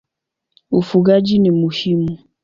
Ufugaji ni muhimu.